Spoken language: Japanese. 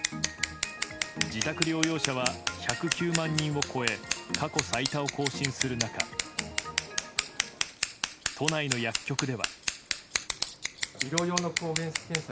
自宅療養者は１０９万人を超え過去最多を更新する中都内の薬局では。